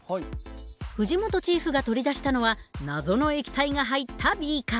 藤本チーフが取り出したのは謎の液体が入ったビーカー。